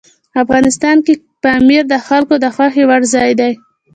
افغانستان کې پامیر د خلکو د خوښې وړ ځای دی.